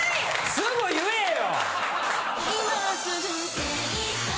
すぐ言えよ！